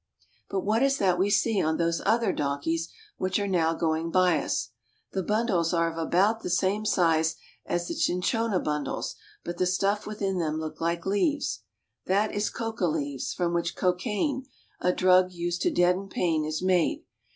But what is that we see on those other donkeys which are now going by us? The bundles are of about the same size as the cinchona bundles, but the stuff within them looks like leaves. That is coca leaves, from which cocaine, a drug used to deaden pain, is made.